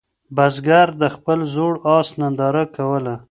بزګر د خپل زوړ آس ننداره کوله.